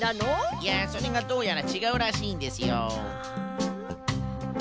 いやそれがどうやらちがうらしいんですよ。